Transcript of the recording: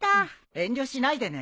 遠慮しないでね。